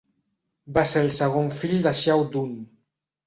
Va ser el segon fill de Xiahou Dun.